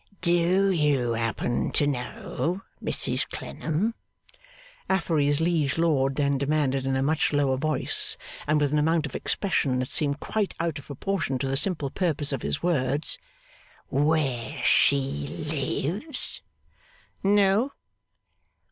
'Do you happen to know, Mrs Clennam,' Affery's liege lord then demanded in a much lower voice, and with an amount of expression that seemed quite out of proportion to the simple purpose of his words, 'where she lives?' 'No.